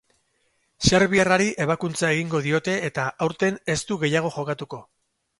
Serbiarrari ebakuntza egingo diote eta aurten ez du gehiago jokatuko.